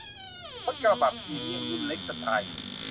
รถกระบะพรีเมียมรุ่นเล็กสไตล์